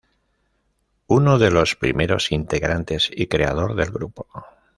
Uno de los primeros integrantes y creador del grupo.